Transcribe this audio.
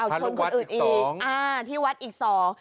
ชมคนอื่นอีกที่วัดอีก๒